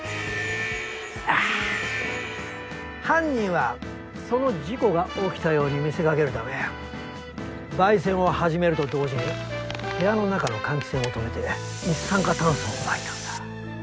あぁ犯人はその事故が起きたように見せかけるため焙煎をはじめると同時に部屋の中の換気扇を止めて一酸化炭素をまいたんだ。